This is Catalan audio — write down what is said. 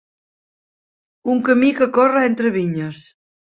Un camí que corre entre vinyes.